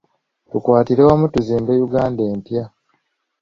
Tukwatire wamu tuzimbe Uganda empya.